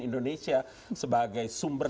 indonesia sebagai sumber